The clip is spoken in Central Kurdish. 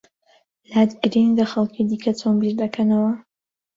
لات گرنگە خەڵکی دیکە چۆن بیر دەکەنەوە؟